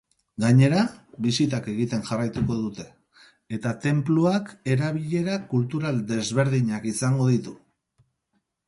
Gainera, bisitak egiten jarraituko dute eta tenpluak erabilera kultural desberdinak izango ditu.